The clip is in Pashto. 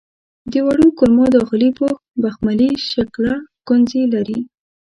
د وړو کولمو داخلي پوښ بخملي شکله ګونځې لري.